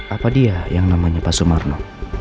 apa dia yang namanya pak sumarno